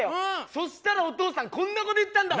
そしたらお父さんこんなこと言ったんだわ。